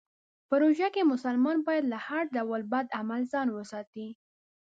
په روژه کې مسلمانان باید له هر ډول بد عمل ځان وساتي.